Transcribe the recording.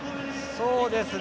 そうですね。